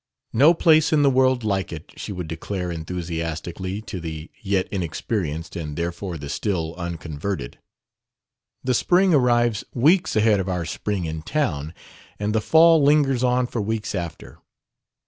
"No place in the world like it!" she would declare enthusiastically to the yet inexperienced and therefore the still unconverted. "The spring arrives weeks ahead of our spring in town, and the fall lingers on for weeks after.